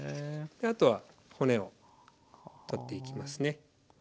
あとは骨を取っていきますね。